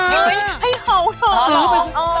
เฮ้ยให้เขาเถอะ